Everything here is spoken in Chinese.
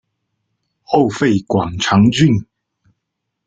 后废广长郡。